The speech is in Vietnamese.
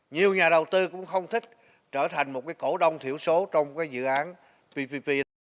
nhiều nhà đầu tư cũng không thích trở thành một cổ đông thiểu số trong cái dự án ppp